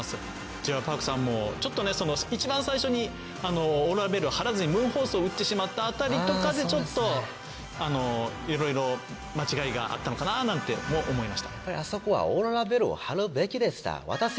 Ｊ．Ｙ．Ｐａｒｋさんもちょっとね一番最初にオーロラベールをはらずにムーンフォースをうってしまったあたりとかでちょっといろいろ間違いがあったのかななんて思いました。